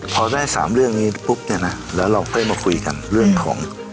พอได้๓เรื่องนี้ปุ๊บเนี่ยนะแล้วเราก็เลยมาคุยกันเรื่องของ